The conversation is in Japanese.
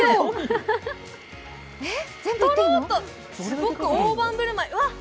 すごく大盤振る舞い。